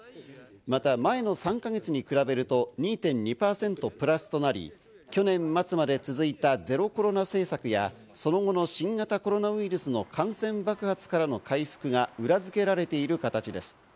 また、前の３か月に比べると２．２％プラスとなり、去年末まで続いたゼロコロナ政策やその後の新型コロナウイルスの感染爆発からの回復が裏付けられている形です。